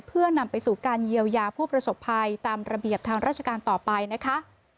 เพื่อนำไปสู่การเยียวยาผู้ประสบภัยตามระเบียบทางราชการต่อไปนะคะ